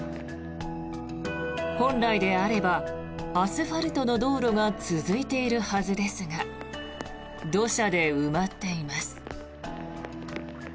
本来であればアスファルトの道路が続いているはずですが土砂で埋まっています。